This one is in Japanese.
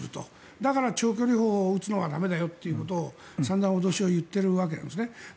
だから、長距離砲を撃つのは駄目だよということを散々、脅しを言っているわけです。